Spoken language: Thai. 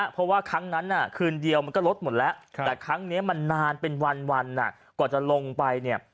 เพราะว่าครั้งนั้นคืนเดียวมันก็ลดหมดแล้วแต่ครั้งนี้มันนานเป็นวันกว่าจะลงไปเนี่ย